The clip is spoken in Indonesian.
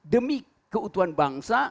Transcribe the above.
demi keutuhan bangsa